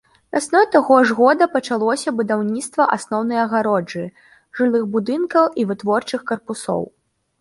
Вясной таго ж года пачалося будаўніцтва асноўнай агароджы, жылых будынкаў і вытворчых карпусоў.